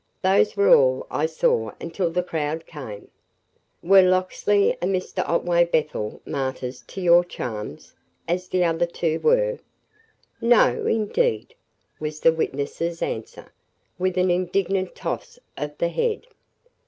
Those were all I saw until the crowd came." "Were Locksley and Mr. Otway Bethel martyrs to your charms, as the other two were?" "No, indeed!" was the witness's answer, with an indignant toss of the head.